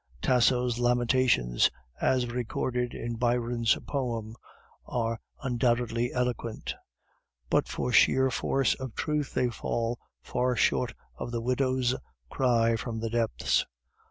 Tasso's lamentations as recorded in Byron's poem are undoubtedly eloquent, but for sheer force of truth they fall far short of the widow's cry from the depths.